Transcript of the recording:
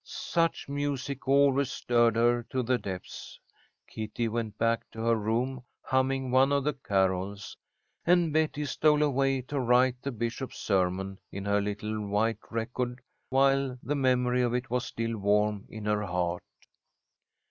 Such music always stirred her to the depths. Kitty went back to her room humming one of the carols, and Betty stole away to write the bishop's sermon in her little white record, while the memory of it was still warm in her heart.